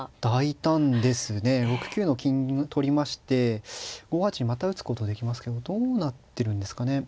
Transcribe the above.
６九の金取りまして５八にまた打つことできますけどどうなってるんですかね。